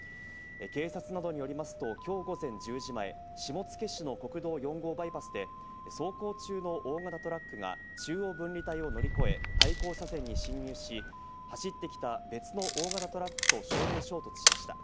警察などによりますと、今日午前１０時前、下野市の国道４号バイパスで走行中の大型トラックが中央分離帯を乗り越え、対向車線に進入し、走ってきた別の大型トラックと正面衝突しました。